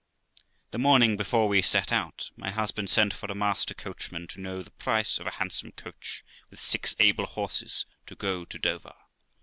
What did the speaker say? The morning before we set out, my husband sent for a master coachman to know the price of a handsome coach, with six able horses, to go to Dover.